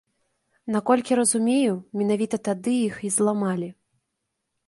Наколькі разумею, менавіта тады іх і зламалі.